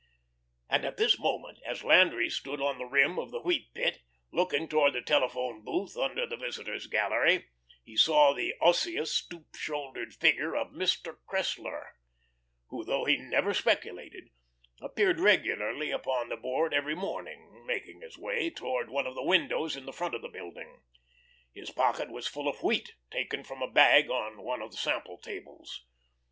And at this moment, as Landry stood on the rim of the wheat pit, looking towards the telephone booth under the visitors' gallery, he saw the osseous, stoop shouldered figure of Mr. Cressler who, though he never speculated, appeared regularly upon the Board every morning making his way towards one of the windows in the front of the building. His pocket was full of wheat, taken from a bag on one of the sample tables.